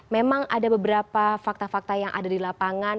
memang ada beberapa fakta fakta yang ada di lapangan